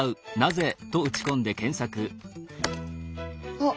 あっ